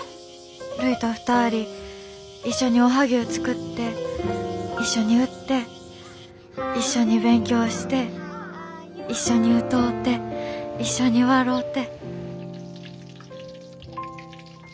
るいと２人一緒におはぎゅう作って一緒に売って一緒に勉強して一緒に歌うて一緒に笑うて。